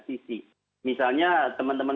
sisi misalnya teman teman